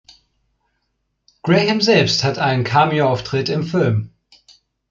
Graham selbst hat einen Cameo-Auftritt im Film.